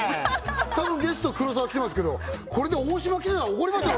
たぶんゲスト黒沢来てますけどこれで大島来てたら怒りますよ